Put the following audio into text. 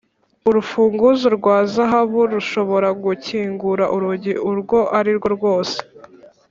urufunguzo rwa zahabu rushobora gukingura urugi urwo arirwo rwose